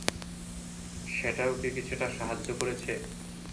সেটাও কি কিছুটা সাহায্য করেছে?